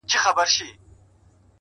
• ښایسته یې چټه ښکلې ګلالۍ کړه,